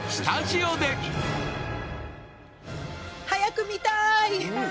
早く見たい。